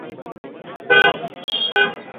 কমলা কহিল, আজ যে কাজ আছে মা!